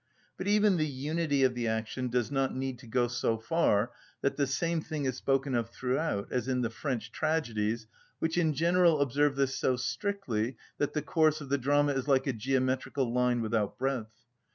But even the unity of the action does not need to go so far that the same thing is spoken of throughout, as in the French tragedies which in general observe this so strictly that the course of the drama is like a geometrical line without breadth.